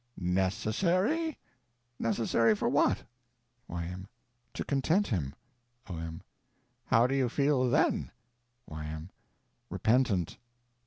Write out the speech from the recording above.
Necessary? Necessary for what? Y.M. To content him. O.M. How do you feel then? Y.M. Repentant.